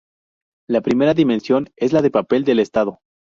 La primera dimensión es la del papel del Estado.